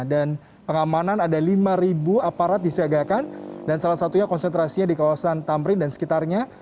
dan pengamanan ada lima aparat disiagakan dan salah satunya konsentrasinya di kawasan tamrin dan sekitarnya